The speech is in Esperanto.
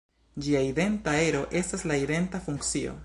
Ĝia identa ero estas la identa funkcio.